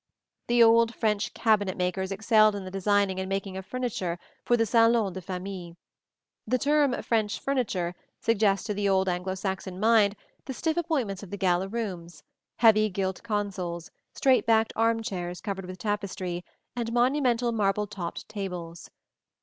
The old French cabinet makers excelled in the designing and making of furniture for the salon de famille. The term "French furniture" suggests to the Anglo Saxon mind the stiff appointments of the gala room heavy gilt consoles, straight backed arm chairs covered with tapestry, and monumental marble topped tables.